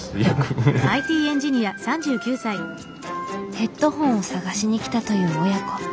ヘッドホンを探しにきたという親子。